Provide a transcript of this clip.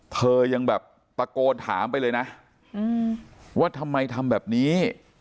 เธอยังแบบตะโกนถามไปเลยนะว่าทำไมทำแบบนี้